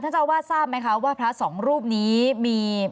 เจ้าอาวาสทราบไหมคะว่าพระสองรูปนี้มี